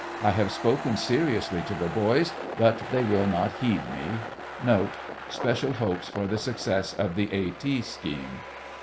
I have spoken seriously to the boys, but they will not heed me. Note. Special hopes for the success of the A.T. scheme."